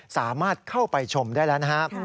สามารถเข้าไปชมได้แล้วนะครับ